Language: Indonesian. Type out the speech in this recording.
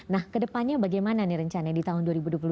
nah kedepannya bagaimana nih rencana di tahun dua ribu dua puluh dua